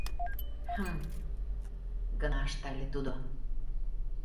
— Хм, — гына ыштале тудо.